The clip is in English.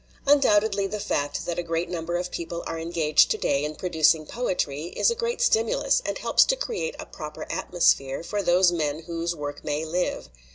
"Undoubtedly the fact that a great number of people are engaged to day in producing poetry is a great stimulus and helps to create a proper atmosphere for those men whose work may live.